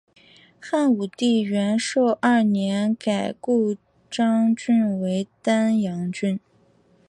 汉武帝元狩二年改故鄣郡为丹阳郡。